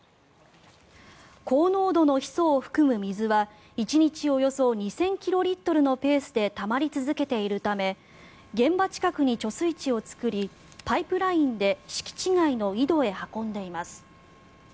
高濃度のヒ素を含む水は１日およそ２０００キロリットルのペースでたまり続けているため現場近くに貯水池を作りパイプラインで敷地外の井戸へ運んでいます。